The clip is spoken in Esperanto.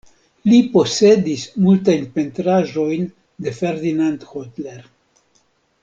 Li posedis multajn pentraĵojn de Ferdinand Hodler.